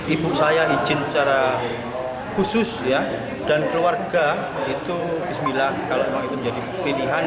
ibu saya izin secara khusus dan keluarga itu bismillah kalau memang itu menjadi pilihan